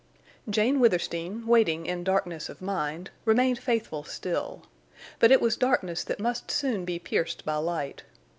Jane Withersteen, waiting in darkness of mind, remained faithful still. But it was darkness that must soon be pierced by light.